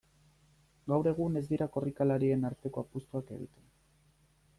Gaur egun ez dira korrikalarien arteko apustuak egiten.